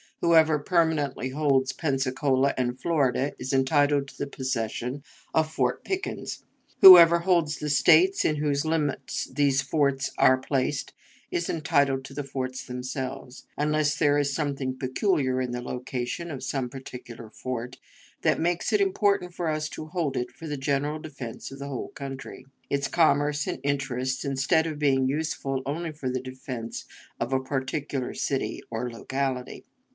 Whoever permanently holds Pensacola and Florida is entitled to the possession of Fort Pickens. Whoever holds the States in whose limits those forts are placed is entitled to the forts themselves, unless there is something peculiar in the location of some particular fort that makes it important for us to hold it for the general defense of the whole country, its commerce and interests, instead of being useful only for the defense of a particular city or locality."